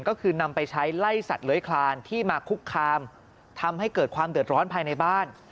ก็คือนำไปใช้ไล่สัตว์เลื้อยคลานที่มาคุกคามทำให้เกิดความเดือดร้อนภายในบ้าน